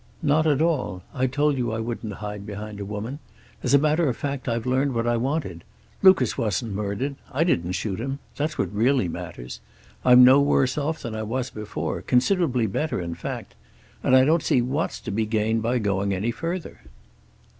"Not at all. I told you I wouldn't hide behind a woman. As a matter of fact, I've learned what I wanted. Lucas wasn't murdered. I didn't shoot him. That's what really matters. I'm no worse off than I was before; considerably better, in fact. And I don't see what's to be gained by going any further."